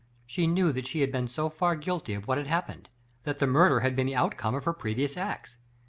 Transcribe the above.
She knew that she had been so far guilty of what had happened that the murder had been the outcome of her previous acts.